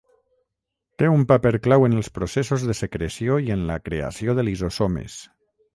Té un paper clau en els processos de secreció i en la creació de lisosomes.